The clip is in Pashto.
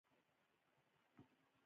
موږ خوښ یو.